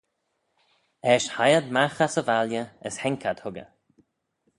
Eisht hie ad magh ass y valley as haink ad huggey.